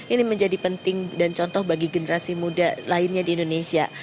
ini menjadi penting dan contoh bagi generasi muda lainnya di indonesia